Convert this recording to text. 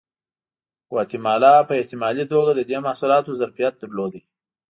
ګواتیمالا په احتمالي توګه د دې محصولاتو ظرفیت درلود.